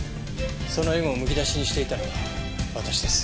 そのエゴをむき出しにしていたのは私です。